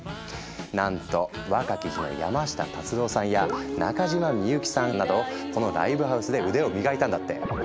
なんと若き日の山下達郎さんや中島みゆきさんなどこのライブハウスで腕を磨いたんだって。